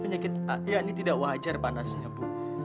penyakit ya ini tidak wajar panasnya bu